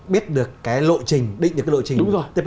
biết được cái lộ trình định được cái lộ trình